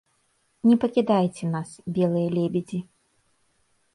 Не пакідайце нас, белыя лебедзі.